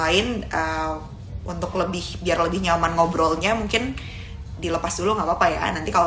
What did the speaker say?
lain untuk lebih biar lebih nyaman ngobrolnya mungkin dilepas dulu nggak apa apa ya nanti kalau